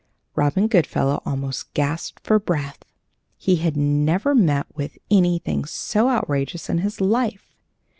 Robin Goodfellow almost gasped for breath. He had never met with anything so outrageous in his life.